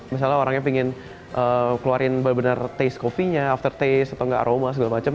misalnya orangnya pengen keluarin benar benar taste coffee nya after taste atau nggak aroma segala macam